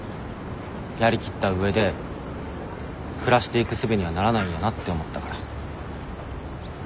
やりきった上で暮らしていくすべにはならないんやなって思ったから。